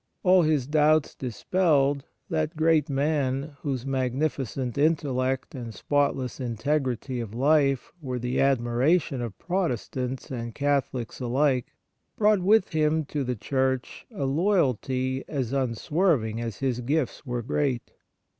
All his doubts dispelled, that great man, whose magnificent intellect and spotless integrity of life were the admiration of Protestants and Catholics alike, brought with him to the Church a loyalty as unswerving as his gifts were great.